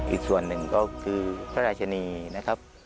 อีกส่วนหนึ่งก็คือพระราชนีนะครับ